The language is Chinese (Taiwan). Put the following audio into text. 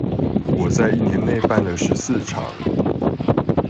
我在一年內辦了十四場